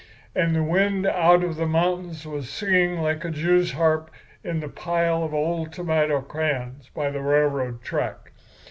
And the wind out of the mountains was singing like a Jew's harp in the pile of old tomato cans by the railroad track.